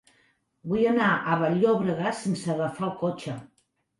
Vull anar a Vall-llobrega sense agafar el cotxe.